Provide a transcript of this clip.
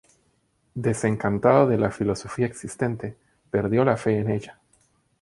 Desencantado de la filosofía existente, perdió la fe en ella.